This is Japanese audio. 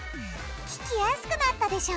聞きやすくなったでしょ